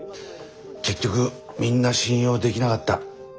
結局みんな信用できなかった。